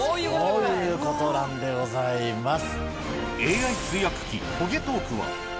そういうことなんでございます。